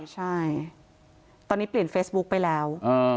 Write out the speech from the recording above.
ใช่ตอนนี้เปลี่ยนเฟซบุ๊กไปแล้ว